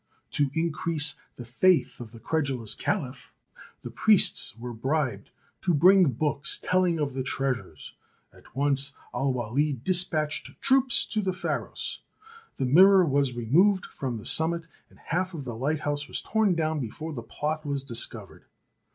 To increase the faith of the credulous Caliph the priests were bribed to bring books telling of the treasures. At once Al Walid despatched troops to the Pharos. The mirror was removed from the summit and half of the lighthouse was torn down before the plot was discovered.